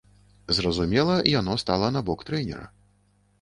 Зразумела, яно стала на бок трэнера.